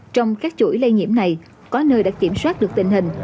trong các chuỗi lây nhiễm này có nơi đã kiểm soát được tình hình